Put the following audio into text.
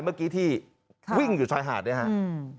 เมื่อกี้ที่ครับวิ่งอยู่ชอยหาดเนี้ยฮะอืม